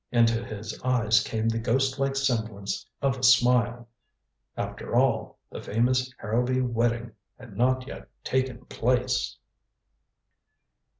Into his eyes came the ghostlike semblance of a smile. After all, the famous Harrowby wedding had not yet taken place.